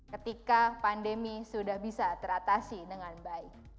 ketika pandemi sudah bisa teratasi dengan baik